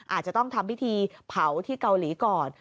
อาจจะต้องทำพิธีเผาที่เกาหลีก่อน